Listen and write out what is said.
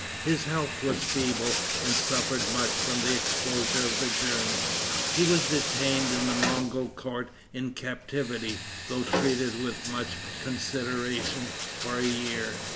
His health was feeble, and suffered much from the exposures of the journey. He was detained in the Mogol court in captivity, though treated with much consideration, for a year.